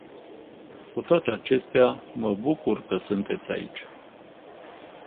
Cu toate acestea, mă bucur că sunteți aici.